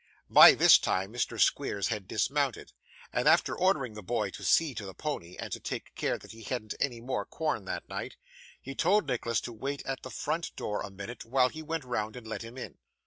By this time Mr. Squeers had dismounted; and after ordering the boy to see to the pony, and to take care that he hadn't any more corn that night, he told Nicholas to wait at the front door a minute while he went round and let him in.